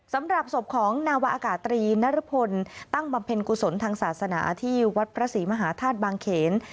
สำหรับศพของนาวาอากาศตรีนรพลตั้งบำเพ็ญกุศลทางศาสนาที่วัดพระศรีมหาธาตุบางเขน